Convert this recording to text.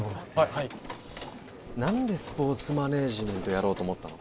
はい何でスポーツマネージメントやろうと思ったの？